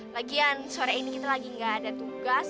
lagian sore ini kita lagi gak ada tugas